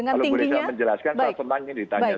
kalau boleh saya menjelaskan saya senang ini ditanya